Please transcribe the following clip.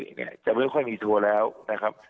เนี่ยจะไม่ค่อยมีทัวร์แล้วนะครับ